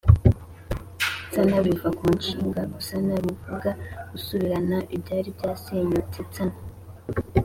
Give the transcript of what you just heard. nsana: biva ku nshinga “gusana” bivuga gusubiranya ibyari byasenyutse nsana